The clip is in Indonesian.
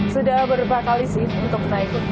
sudah beberapa kali sih untuk naik bus mabur